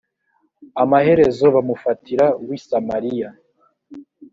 amaherezo bamufatira w i samariya